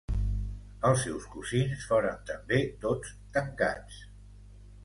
Els seus cosins foren també tots tancats.